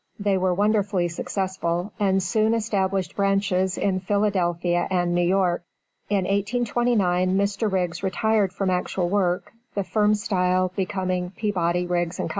They were wonderfully successful, and soon established branches in Philadelphia and New York. In 1829 Mr. Riggs retired from actual work, the firm style becoming Peabody, Riggs & Co.